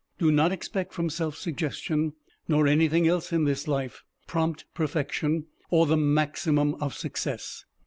Do not expect from self suggestion, nor anything else in this life, prompt perfection, or the maximum of success.